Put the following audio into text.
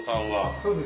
そうです。